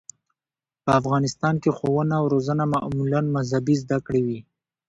په افغانستان کې ښوونه او روزنه معمولاً مذهبي زده کړې وې.